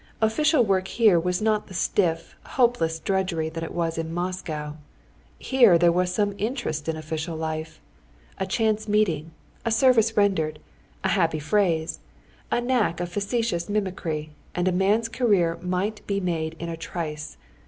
Official work here was not the stiff, hopeless drudgery that it was in Moscow. Here there was some interest in official life. A chance meeting, a service rendered, a happy phrase, a knack of facetious mimicry, and a man's career might be made in a trice.